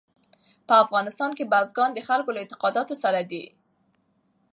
په افغانستان کې بزګان د خلکو له اعتقاداتو سره دي.